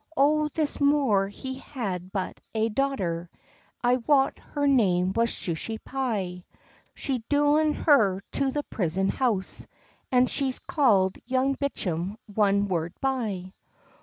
O this Moor he had but ae daughter, I wot her name was Shusy Pye; She's doen her to the prison house, And she's calld young Bicham one word by.